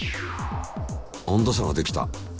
温度差ができた。